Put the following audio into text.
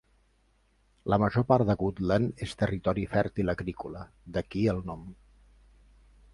La major part de Gutland és territori fèrtil agrícola, d'aquí el nom.